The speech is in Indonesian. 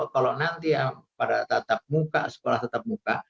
kalau nanti pada sekolah tetap muka